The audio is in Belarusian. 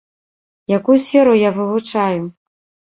Якую сферу я вывучаю?